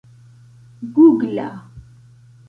gugla